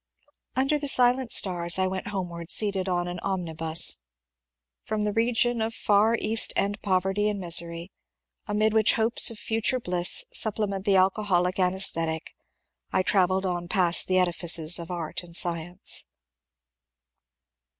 Under the silent stars I went homeward seated on an omni bus. From the region of East End poverty and misery, amid which hopes of future bliss supplement the alcoholic anaes thetic, I travelled on past the edifices of Art and Science.